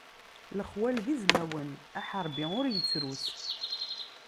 Lexwal d izmawen, aḥerbi ur yettrus.